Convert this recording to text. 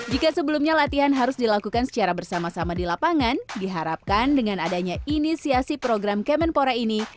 jika sebelumnya latihan harus dilakukan secara bersama sama di lapangan diharapkan dengan adanya inisiasi program kemenpora ini